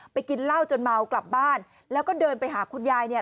กินเหล้าจนเมากลับบ้านแล้วก็เดินไปหาคุณยายเนี่ย